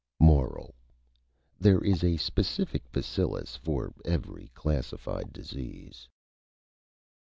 MORAL: _There is a Specific Bacillus for every Classified Disease.